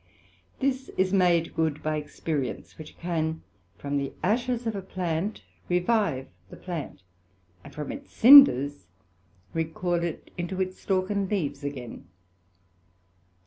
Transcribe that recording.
This is made good by experience, which can from the Ashes of a Plant revive the plant, and from its cinders recal it into its stalk and leaves again.